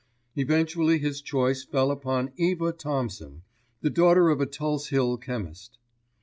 Eventually his choice fell upon Eva Thompson, the daughter of a Tulse Hill chemist.